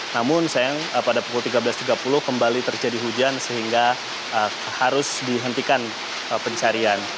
namun sayang pada pukul tiga belas tiga puluh kembali terjadi hujan sehingga harus dihentikan pencarian